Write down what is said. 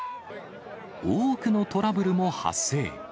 多くのトラブルも発生。